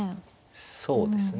そうですね。